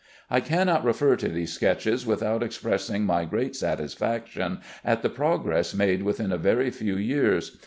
I cannot refer to these sketches without expressing my great satisfaction at the progress made within a very few years.